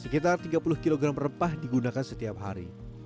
sekitar tiga puluh kg rempah digunakan setiap hari